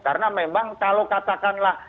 karena memang kalau katakanlah